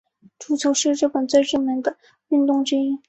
足球是日本最热门的运动之一。